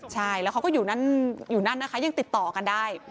ใช่แล้วเขาก็อยู่นั่นนะคะยังติดต่อกันได้